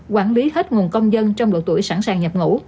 quản lý hết nguồn công dân trong độ tuổi sẵn sàng nhập ngũ